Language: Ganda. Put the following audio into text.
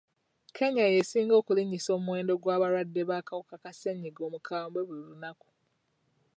Kenya y'esinga okulinyisa omuwendo gw'abalwadde b'akawuka ka ssenyga omukambwe buli lunaku.